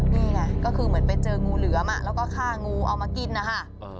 นี่ไงก็คือเหมือนไปเจองูเหลือมแล้วก็ฆ่างูเอามากินนะคะ